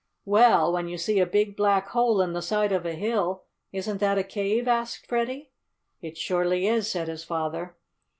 "Well, when you see a big black hole in the side of a hill, isn't that a cave?" asked Freddie. "It surely is," said his father.